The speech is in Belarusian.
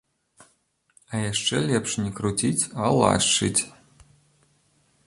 А яшчэ лепш не круціць, а лашчыць!